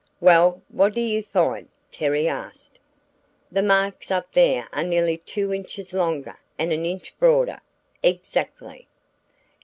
"Well, what do you find?" Terry asked. "The marks up there are nearly two inches longer and an inch broader." "Exactly."